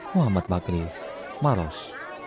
muhammad bakri maros